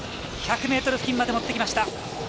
１００ｍ付近まで持ってきました。